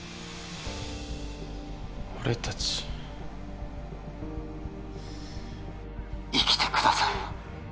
俺達生きてください